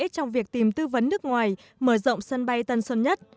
trong việc tìm tư vấn nước ngoài mở rộng sân bay tân sơn nhất